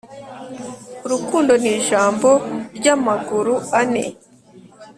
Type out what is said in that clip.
urukundo ni ijambo ry'amaguru ane